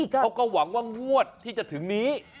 เขาก็หวังว่างวดที่จะถึงนี้